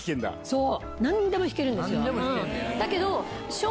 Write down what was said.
そう！